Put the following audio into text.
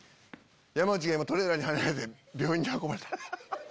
山内が今トレーラーにはねられて病院に運ばれた。